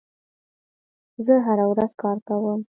زه هره ورځ کار کوم.